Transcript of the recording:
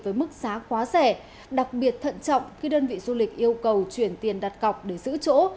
với mức giá quá rẻ đặc biệt thận trọng khi đơn vị du lịch yêu cầu chuyển tiền đặt cọc để giữ chỗ